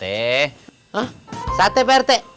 hah sate pak rt